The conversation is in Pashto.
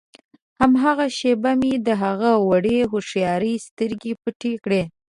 هماغه شېبه مې د هغه وړې هوښیارې سترګې پټې کړې.